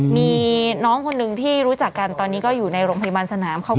มีน้องคนหนึ่งที่รู้จักกันตอนนี้ก็อยู่ในโรงพยาบาลสนาม